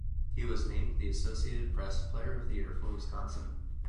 He was named the Associated Press Player of the Year for Wisconsin.